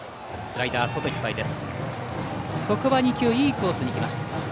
ここは２球いいコースに来ました。